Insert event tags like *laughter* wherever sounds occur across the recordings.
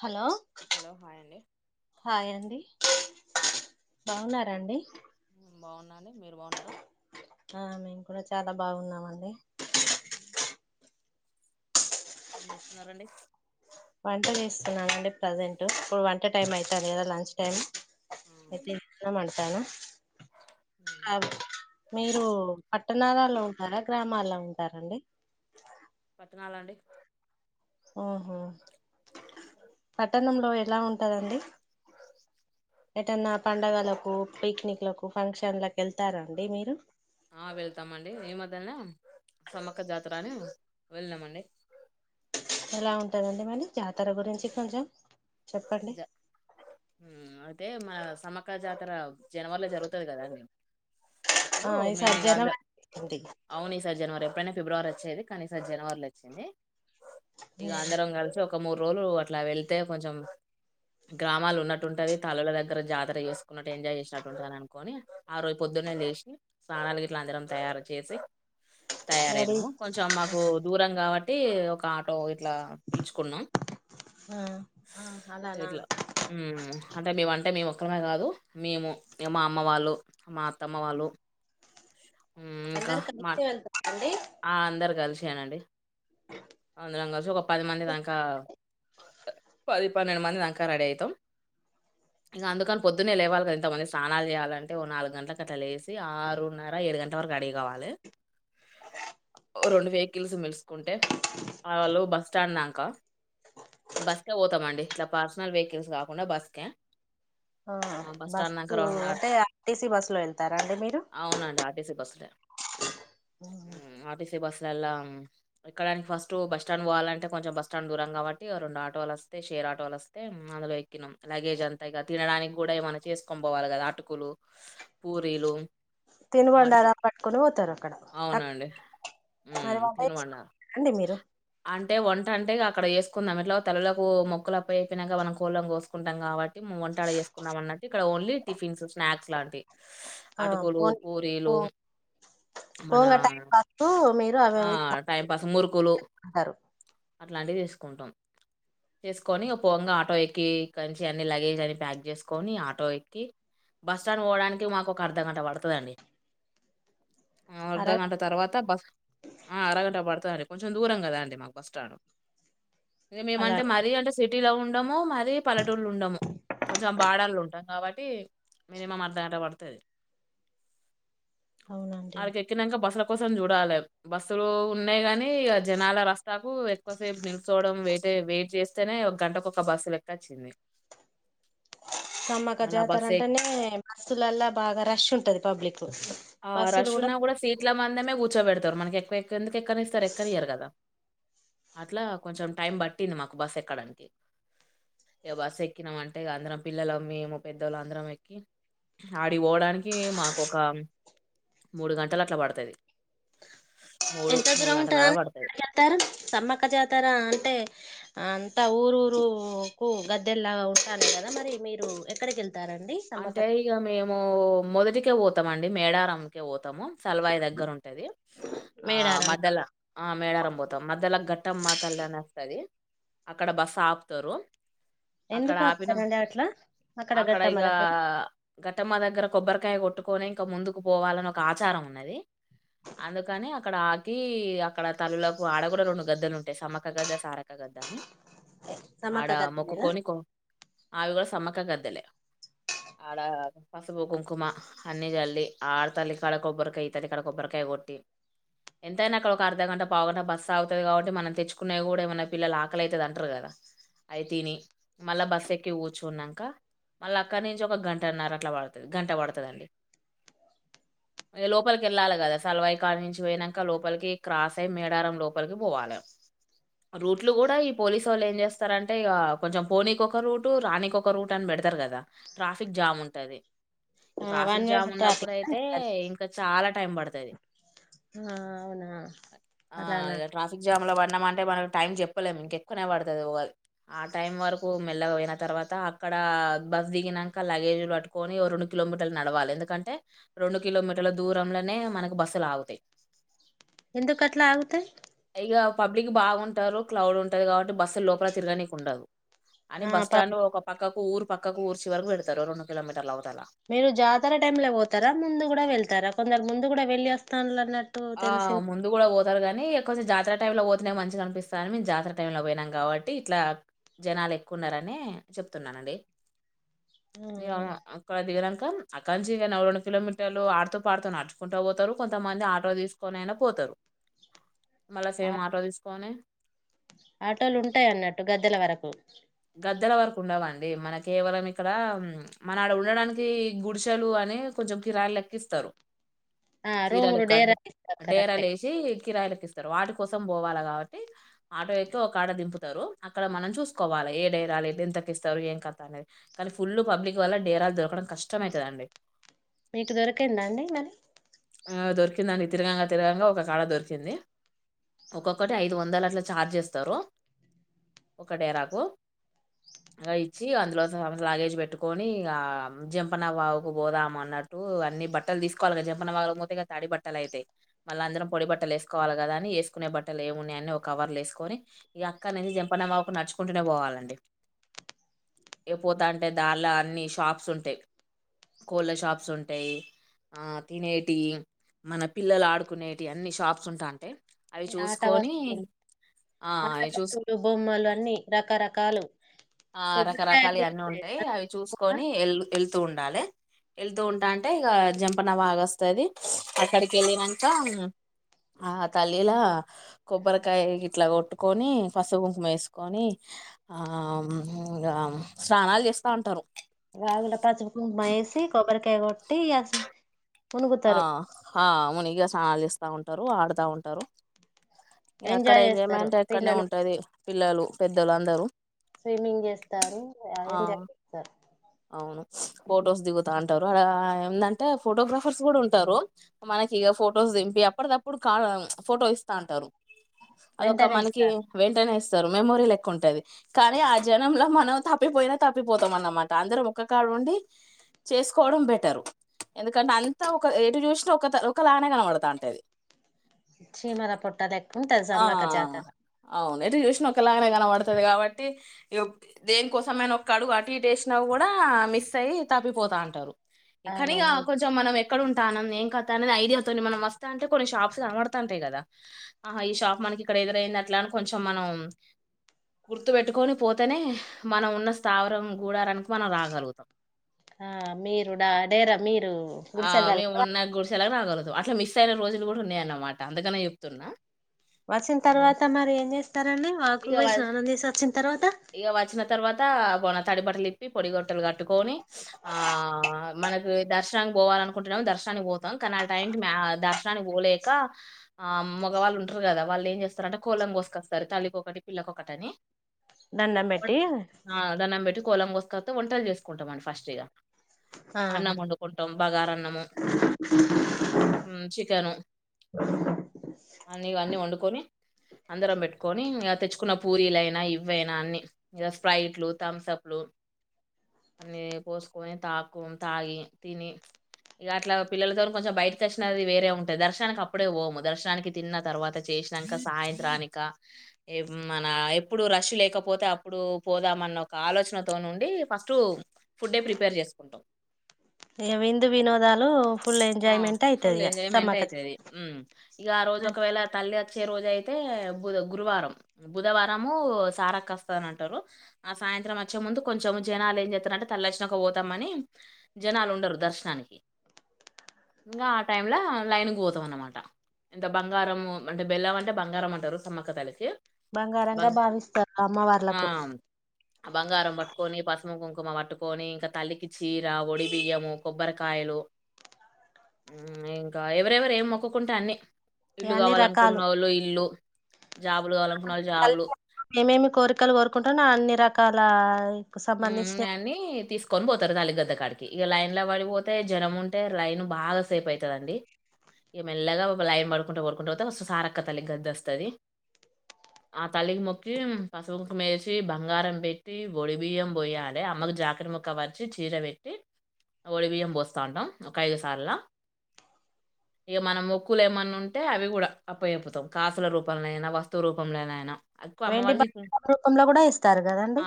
Hello hello hi అండి hi అండి బాగున్నారా రండి బాగున్నా అండి మీరు బాగున్నారా ఆ మేము కూడా చాలా బాగున్నామండి ఏం చేస్తున్నారండి వంట చేస్తున్నానండి ప్రజెంట్ ఇప్పుడు వంట టైం అవుతాంది కదా లంచ్ టైమ్ అయితే ఇంకా వండుతాను అవును మీరు పట్టణాలలో ఉంటారా గ్రామాల్లో ఉంటారండి పాట్నాలండి ఆహో పట్టణంలో ఎలా ఉంటందండి ఎటనా పండగలకు పిక్నిక్లకు ఫంక్షన్లకు వెళ్తారాండి మీరు ద సమ క్క జాతర అని వెళ్ళినామండి ఎలా ఉంటదండి మళ్ళ జాతర గురించి కొంచెం చెప్పండి అ అయితే మా సమ్మక జాతర జనవరిలో జరుగుతుంది కదా అండి అప్పుడు ఆ మేము ఈసారి ఇక అంద జనవరి ఉంది అవును ఇ సారీ జనవరి ఎప్పుడైనా ఫిబ్రవరి వచ్చేది కానీ ఈసారి జనవరిలో వచ్చింది ఇగ అందరం కలిసి ఒక ఒక మూడు రోజులు అట్లా వెళ్తే కొంచెం గ్రామాలు ఉన్నట్టుంటది తల్లుల దగ్గర జాతర చేసుకున్నట్టు ఎంజాయ్ చేసినట్టుంటది అనుకొని ఆ రోజు పొద్దున్న లేసి స్నానాలు గిట్ల అందరం చేయాలి చేసి మరి తయారయినాము కొంచెం మాకు దూరం కాబట్టి అ ఒకటి ఒక ఆటో ఒకటి ఇట్లా పిలుచుకున్నాం ఆ ఆ అలానా ఇట్లా అంటే మేము అంటే మేము ఒక్కరిమే కాదు మేము ఇగ మా అమ్మ వాళ్ళు మా అత్తమ్మ వాళ్ళు ఉమ్, ఇంకా అందరి మా కలిసే వెళ్తారండి ఆ అందరు కలిసేనండి అందరం కలిసి ఒక పది మంది దాకా పది పన్నెండు మంది దాంక రెడీ అవుతాం ఇంక అందుకని పొద్దున్నే లేవాలి కదా ఇంతమంది స్నానాలు చేయాలంటే ఓ నాలుగు గంటల అట్లా లేసి ఆరున్నర ఏడు గంటల వరకు రెడీ కావాలి రెండు వెహికల్స్ పిలుసుకుంటే ఆ వాళ్ళు బస్ స్టాండ్ దక బస్కే పోతామండి ఇట్లా పర్సనల్ వెహికల్స్ కాకుండా బస్కే ఆ బస్సు ఆట్ అంటే ఆర్టీసీ బస్సు లో వెళ్తారా అండి మీరు అంతే అర్టిసి బస్ అలలా ఎక్కడానికి ఫస్ట్ క్ట్ బస్ స్టాండ్ పోవాలంటే కొంచెం బస్టాండ్ దూరం కాబట్టి ఆ రెండు ఆటోలు వస్తే షే ఆటోలు వస్తే అందులో ఎక్కినాం లగేజ్ అంతా ఇక తినడానికి కూడా ఏమన్నా చేసుకని పోవాలి కదా అటుకులు పూరీలు అడుకు తినుగండారా పట్టుకొని పోతారు అక్కడ అవునండి. హ్మ్. తినుమన్నారు. మరిండి మీరు అంటే వంట అంట అక్కడ వేసుకుందాం ఇట్లా తెల్లలకు మొక్కులు అప్పు అయిపోయినాక మనం కోళ్ళం కోసుకుంటం కబ్బటి మూ వంట ఆడ చేసుకున్నాం అన్నటు ఇక్కడ ఓన్లీ టిఫన్ స్నాక్స్ మాట్లాడవి ఆ అటుకులు పోన్ పూరీలు మన పోంగా టైం పాస్కు మీరు అవి అవి టైం పాస్ మురుకు ఫలో తాగుతారు అట్లాంటివి చేసుకుంటాం చేసుకొని ఒక పంగా ఆటో ఎక్కిక్కంచి అన్నిీ లగేజ్ అన్నన్ని ప్యాక్ చేసుకొని ఆటో ఎక్కి బస్ స్టాండ్ పోవడానికి మాకు ఒక అర్ధగంట పడుతదండి ఆ అర అర్ధగంట తర్వాత బస్ ఆ అరగంట పడుతారే కొంచెం దూరం కదా అండి మాకు బస్టాండు ఇది అలా మేమంటే మరీ అంటే సి ఇటిలో ఉండము మరిీ పల్లటూళ్ళ ఉండము కొంచెం బాడళ ఉంటాం కాబట్టి మినిమం అర్ధగట పడుతది అవునండి అక ఎక్కనాంగా బస్సల కోసం చూడాలి బస్సులు ఉన్నాయి గాని ఇ జనాల రస్తాకు ఎక్కువసేపు నిల్చోవడం వే అతే వెయిట్ చేస్తేనే ఒక గంటకు ఒక బస్సు లెక్క వచ్చింది సమ్మక్క జాతర అంటేనే బస్సులలా బాగా రష్ ఉంటది పబ్లిక్ ఆ రష్ ఉన్న కూడా సీట్లా మంద కూర్చోబెడతారు మనకి ఎక్కవ ఎక్కేందుకు ఎక్కని ఇస్తారు ఎక్కన ఇయ్యారు కదా అట్లా కొంచెం టైం పట్టింది మాకు బస్ ఎక్కడానికి ఇక బస్ ఎక్కినామ అంటే అందరం పిల్లలం మేము పెద్దోళ్ళుం అందరం ఎక్కి ఆడిపోడానికి మాకుక మూడు గంటలు అట్లా పడతది మూడు ఎంత మూడు దూరం గంటల అలా ఉంటందని పడతది వెళ్తారు సమ్మక్క జాతర అంటే అంత ఊరుూరుకు గద్దెల్లాగా ఉంటాను కదా మరి మీరు ఎక్కడికి వెళ్తారండి సమ్మక్క అంటే ఇక మేము మొదటికే పోతాంమండి మేడారంకే పోతాము సలవాయి దగ్గర ఉంటది ఆ మేడారం మధ్యలో ఆ మేళారం పోతాం మధ్యలో గట్ట మా తల్లి అనే వస్తది అక్కడ బస్సు ఆపుతారు ఎందుకు ఆపుతారంండి అట్లా అక్కడ గట్ట ఇక ఘట్టమ్మ దగ్గర కొబ్బరికాయ కొట్టు కొని ఇంకా ముందుకు పోవాలని ఒక ఆచారం ఉన్నది అందుకని అక్కడ ఆకి అక్కడ తల్లులకు ఆడ కూడా రెండు గద్దలు ఉంటాయి సమ్మక గద్ద సారక గద్ద అని ఆడ సమ్మక్క గద్దె మొకుకోని ఆవి కూడా సమ క్క గద్దెలే ఆడ పసుపు కుంకుమ అన్ని చల్లి ఆడతల్లి ఇక్కడ కొబ్బరికాయ ఈ అతల్లి ఇక్కడ కొబ్బరికాయ కొట్టి ఎంతైనా అక్కడ ఒక అర్ధ గంట పావు గంట బస్సు ఆగుతది కాబట్టి మనం తెచ్చుకునేవి కూడా ఏమైన్నా పిల్లలు ఆకలైతది అంటారు కదా అవి తిని మళ్ళా బస్సు ఎక్కి కూర్చున్నాంక మళ్ళా అక్కడ నుంచి ఒక గంటన్నర అట్లా పడుతది గంట పడుతది అండి ఆయా లోపలికి వెళ్ళాలి కదా సలవాయ్ కాడ నుంచి పోయినాంక లోపలికి క్రాస్ అయ్యి మేడారం లోపలికి పోవాలి రూట్లు కూడా ఈ పోలీసోళ్ళు ఏం చేస్తారంటే ఇగ కొంచెం పోనీకి ఒక రూట్ రానీకి ఒక రూట్ అని పెడతారు కదా ట్రాఫిక్ జాం ఉంటది ఆ వన్ ట్రాఫిక్ వే జామ్ ఉన్నప్పుడు ట్రాఫిక్ అయితే ఇంకా చాలా టైం పడుతాది అవునా ఆ అలానా ఇగ ట్రాఫిక్ జాం లో ప ఉన్నాము అంటే మనకు టైం చెప్పలేము ఇంకెక్కువనే పడుతుది *unintelligible* ఆ టైం వరకు మెల్లగ పోయిన తర్వాత అక్కడ బ దిగినాంక లగేజీలు పట్టుకొని రెండు కిలోమీటర్లు నడవాలి ఎందుకంటే రెండు కిలోమీటర్ల దూరంలోనే మనకు బస్సులు ఆగుతాయి ఎందుకు అట్లా ఆగుతాయి గా పబ్లిక్ బాగుంటారు క్లౌడ్ ఉంటది కాబట్టి బస్ స్సులు లోపల తిరగనీనికి ఉండదు అని ఆ బస్ స్టాండ్ పాపం లో ఒక పక్క ఊరు ప క్కకు ఊరు చివరకు పెడతారు ఓ రెండు కిలోమీటర్లు అవు మీరు జాతర టైమ్ లో పోతారా ముందు కూడా వెళ్తారా కొందరు ముం లు కూడా వెళ్ళి అస్తాంన్లు అన్నట్ ఆ ముందు కూడా పోతారు కానీ *unintelligible* జాతర టైమ్ లో పో ట్లా మంచిగా అనిపిస్తా అని మేం జాతర టైం లో పోయినాం కాబట్టి ఇట్లా జనాలు ఎక్కువున్నారని చెప్తున్నానండి ఇగా అక్కడ దిగినంక అక్కనించి ఇక నవ్ రెండు కిలోమీటర్లు ఆడుతూ పాడుతూ నడుచుకుంటా పోతారు కొంతమంది ఆ టో తీసుకొని అయినా పోతారు మళ్ళా ఆ సేమ్ ఆటో తీసుకొన్ని ఆటోలు ఉంటాయన్నట్టు గద్దెల వరకు గద్దెల వరకు ఉండవాండి, మన కేవలం ఇక్కడ మన ఆడ ఉండడానికి గుడిసెలు అని కొంచెం కిరాణలు లెక్కిస్తారు. ఆ చీరలు రూములు క డేరా ఇస్తారు కరెక్టే డేరలు వేసి కిరాయిలుకి ఇస్తారు వాటి కోసం పోవాల కాబట్టి ఆటో ఎక్క ఒక ఆడ దింపుతారు అక్కడ మనం చూసుకోవాలి ఏ డైరాలు ఏతగక్కిస్తారు ఏం కత అనేది కానీ ఫుల్ పబ్లిక్ వల్ల డేరాలు దొరకడం కష్టంమైతుందండి మీకు దొరికందా అండి మరి అ దొరికిందనికి తిరగగా తిరగగా ఒక కాడ దొరికింది, ఒక్కొక్కటి ఐదు వందలు అట్లా ఛార్జ్ చేస్తారు, ఒక డేరాకు అ ఇచ్చి అందులో లాగేజ్ పెట్టుకొని, ఇగ జంపన బావుకు పోదాం అన్నట్టు అన్ని బట్టలు తీసుకోవాలి కదా జంపన బావులో మూతగా తడి బట్టలు అయితయి, మళ్ళీ అందరం పొడి బట్టలు వేసుకోవాలి కదా అని వేసుకునే బట్టలు ఏమిన్నాయని ఒక కవర్లు వేసుకొని ఈ అక్కనేది జంపనబావుకు నడుచుకుంటూనే పోవాల్నే ఏపోతా అంటే దానిలో అన్ని షాప్స్ ఉంటాయి, కోళ్ళ షాప్స్ ఉంటాయి, ఆ తినేటి మన పిల్లలు ఆడుకునేటి అన్ని షాప్స్ ఉంటా అంటే ఆట వస్తువులు ఆ ఆట అవి చూసు వస్తువులు బొమ్మలు అన్ని రకరక ఆ రకరకలు అన్నీ ఉంటాయి అవి కదా, చూసుకొని ఎల్ ఎ వెళ్తూ ఉండాలి వెళ్తూ ఉంటా అంటే ఇక జంపన బాగా వస్తది అక్కడికి వెళ్ళినక ఆ తల్లిలా కొబ్బరికాయ ఇట్లా గ కట్టుకొని పసుపుకుంకుమ వేసుకొని ఆ ఇంకా స్నానాలు చేస్తా ఉంటారు వాగులా పసుపు కుంకుమ వేసి కొబ్బరికాయ కొట్టి ఇగ ఆ అ మునిగిస్థానాలు చేస్ బ ఉంటారు ఆడుతా ఉంటారు అక్కడ ఎంజాయ్ చేస్తారు ఎంజాయ్మెంట్ అక్కడనే పిల్లలు ఉంటది పిల్లలు పెద్దలు అందరూ స్విమ్మింగ్ చేస్తారు ఆ ఎంజాయ్ చేస్తారు అవును ఫొటోస్ దిగుత అంటరు అడ ఏందంటే ఫోటోగ్రఫర్స్ కూడా ఉంటరు మనకి ఇగ ఫొటోస్ దింపి అప్పడిది అప్పుడు కా ఫొటో ఇస్తా అంటరు అదొక వెంటనే మనకి ఇస్తారు వెంటనే ఇస్త మెమోరీ లెక్క ఉంటది కానీ ఆ జనంల మనం తప్పిపోయినా తప్పిపోతాం అన్నమాట అందరం ఒక్క కాడు ఉండి చేసుకోవడం బెటరు ఎందుకంటే అంతా ఒక ఎటు చూసినా ఒక త ఒకలానే కనవడతాంటది చీమాల పొట్టా లే ఆ అవును ఎటు జుషిన ఒకలాగనే కనబడతది కాబట్టి ఇగ ఒక దేనికోసమైనా ఒక అడుగు అటు ఇటు ఏషిన కూడా మిస్ అయ్యి తప్పిపోతా అంటారు కాని ఇగా అవునవును కొంచెం మనం ఎక్కడ ఉంటానుం ఏం కతా అనేది ఐడియాతో నీ మనం వస్తాంటే కొన్ని షాప్స్ కనబడతాంటాయి కదా ఆహా ఈ షాప్ మనకి ఇక్కడ ఎదురైంది అట్లా కొంచెం మనం గుర్తు పెట్టుకొని పోతనే మనం ఉన్న స్థావరం గూడారనికి ఆ మీరు డా డేరా మీరు ఆ గుడిసెల్లాల మేము ఉన్నా గుడిస లా రాగలదు అట్లా మిస్ అయిన రోజులు కూడా ఉన్నాయి అన్నమాట అందుకనే చెప్తున్నా వచ్చిన తర్వాత మరి ఏం చేస్తారండి వాగుకు ఇగ పోయి వల్ స్నానం చేసి వచ్చిన తర్వాత తడిబట్టలు ఇప్పి పొడిబట్టలు కట్టుకొని ఆ మనకి దర్శ దర్శనానికి పోవాలే అనుకుంటనేమో దర్శనానికి పోతాం కానీ ఆ టైంకి మ్యా దర్శనానికి పోలేక ఆ మగవాళ్ళు ఉంటరు కదా వాళ్ళు ఏం చేస్తారంటే కోళ్ళను కోసుకస్తారు తల్లికోకటి పిల్లకొకటని దండం బెట్టి కోళ్ళను కోసుకతే వంటలు చేసుకుంటామండి ఫస్ట్ ఇగ ఆ కొంటాం బగారన్నము చికెను అన్నీ ఇవన్నీ వండుకొని అందరం పెట్టుకొని ఇ తెచ్చుకున్న పూరీలు అయినా ఇవైనా అన్ని ఇగ స్ప్రైట్లు థమ్స అప్లు అన్ని పోసుకొని తాకుం తాగి తిని ఇక అట్లా పిల్లలతో కొంచెం బయటకి వచ్చినది వేరే ఉంటది దర్శనానికి అప్పుడే పోము దర్శనానికి తిన్న తర్వాత చేసినంక సాయంత్రానిక మన ఎప్పుడు రష్ లేకపోతే అప్పుడు పోదామన్న ఒక ఆలోచనతో ఉండి ఫస్టు ఫుడే ప్రిపేర్ చేసుకుంటాం ఇక విందు వినోదాలు ఫుల్ ఆ ఎంజాయ్మెంట్ అయితది ఫుల్ ఇగ ఎంజాయ్మెంట్ సమ్మక్క అయితది. హ్మ్ ఇగ ఆ రోజు ఒకవేళ తల్లి వచ్చే రోజు అయితే బుధ గురువారం బుధవారము సారక్క వస్తదని అంటారు ఆ సాయంత్రం వచ్చే ముందు కొంచెం జనాలు ఏం చెత్తారంటే తల్లి వచ్చినాక పోతామని జనాలు ఉండరు దర్శనానికి ఇంగ ఆ టైంల లైను గు పోతాం అన్నమాట ఇంత బంగారం అంటే బెల్లం అంటే బంగారం అంటరు సమ్మక తల్లికి బంగారంగా బంగ్ భావిస్తారు అమ్మ ఆ! వార్లకు ఆ బంగారం పట్టుకొని, పసుపు, కుంకుమ పట్టుకొని ఇంకా తల్లికి చీర ఓడి బియ్యము కొబ్బరికాయలు ఇంకా ఎవరెవరు ఏం మొక్కుకుంటే అన్ని ఇగ ఇళ్లు అన్ని రకాలు కావాలనుకునోళ్ళు ఇల్లు జాబులు కావాలనుకున్నోళ్ళు జాబులు. ఏమేమి కోరికలు కోరుకుంటా నా అన్ని రకాల సంబంధించిన ఉన్నయి అన్ని కొని పోతారు తల్లిగద్ద కాడికి ఇక లైన్ లో పడిపోతే జనం ఉంటే లైన్ బాగా సేపు అవుతుందిండి ఇక మెల్లగా లైన్ పడుకుంటూ పడుకుంట పోతే సారక్క తల్లి గద్ద వస్తుంది ఆ తల్లికి మొక్కి పసుపుకు మేచి బంగారం పెట్టి బడి బియ్యం పోయాలి అమ్మకు జాకర ముక్క వరిచి చీర పెట్టి ఒడి బియ్యం పోస్తూ ఉంటాం ఒక ఐదు సార్ల ఇక మనం మొక్కులు ఏమైన్నా ఉంటే అవి కూడా అప్పయిపోతాం కాసుల రూపంలో అయినా వస్తువు రూపంలోనయినా వెండి బ రూపంలో కూడా ఇస్తారు కదండి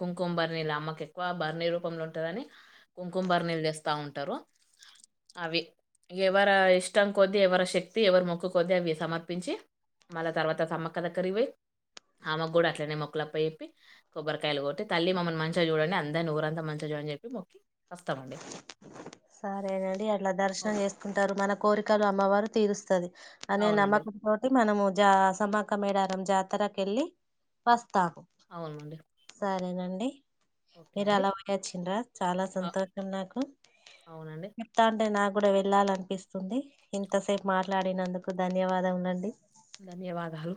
కుంకుమార్ నళ అమ్మ ఎక్కువ బరి రూపంలో ఉంటని కుంకుమరి నీళ్లు చేస్తా ఉంటారు అవి కాయలు కొట్టి తల్లి మమ్మనించిగా చూడండి అందరిని ఊరంతా మంచిగా చూడ అని చెప్పి మేకుతాం వస్తామండి సరేనండి అట్లా ఓ- దర్శనం చేసుకుంటారు మన కోరికలు అమ్మవారు తీరుస్తారు వస్తుది అనే అవునండి నమ్మకం తోటి మనము జా సక మేడారంం జా ఆతరక వెళ్లి ఫస్ట్ త అవునండి సరేనండి అ ఓకే మీరు అండి అలా పోయచ్చరా చాలా అ- సంతోషం నాకు అవునండి చెప్తానటే నాకు కూడా వెళ్ళాలనిపిస్తుంది ఇంతసేపు మాట్లాడినందుకు ధన్యవాదం అండి ధన్యవాదాలు